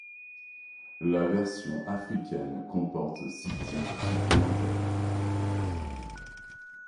La version africaine comporte six titres supplémentaires.